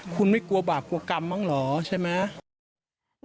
คุณไม่กลัวบาปกลัวกรรมบ้างเหรอใช่ไหม